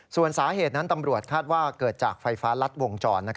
ส่วนสาเหตุนั้นตำรวจคาดว่าเกิดจากไฟฟ้ารัดวงจร